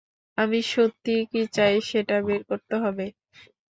আমি সত্যিই কী চাই, সেটা বের করতে হবে।